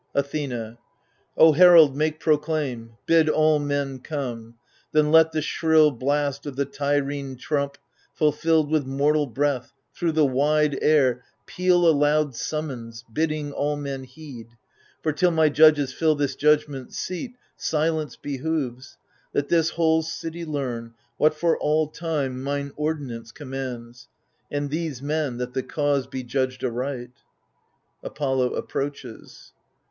Athena O herald, make proclaim, bid all men come. Then let the shrill blast of the Tyrrhene trump^ Fulfilled with mortal breath, thro* the wide air Peal a loud summons, bidding all men heed. For, till my judges fill this judgment seat, Silence behoves, — that this whole city learn. What for all time mine ordinance commands, And these men, that the cause be judged aright. [Apollo approaches.